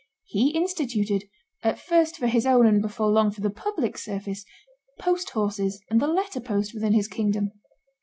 He instituted, at first for his own and before long for the public service, post horses and the letter post within his kingdom.